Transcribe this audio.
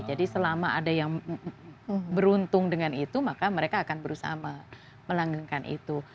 jadi selama ada yang beruntung dengan itu maka mereka akan berusaha melanggengkan itu